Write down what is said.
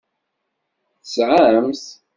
Tesɛam-t.